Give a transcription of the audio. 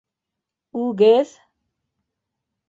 Үгеҙ?